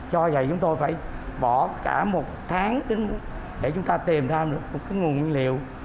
do vậy chúng tôi phải bỏ cả một tháng để chúng ta tìm ra một nguồn nguyên liệu